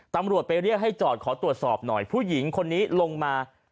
ตำรวจไปเรียกให้จอดขอตรวจสอบหน่อยผู้หญิงคนนี้ลงมา